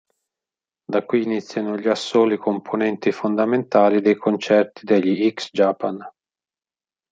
Da qui iniziano gli assoli, componenti fondamentali dei concerti degli X Japan.